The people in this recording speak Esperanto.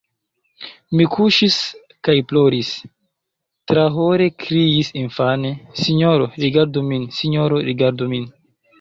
Mi kuŝis kaj ploris, trahore kriis infane: Sinjoro, rigardu min! Sinjoro, rigardu min!